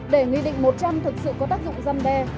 để nghị định một trăm linh thực sự có tác dụng răn đe